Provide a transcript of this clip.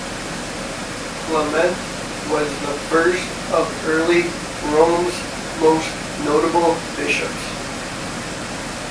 Clement was the first of early Rome's most notable bishops.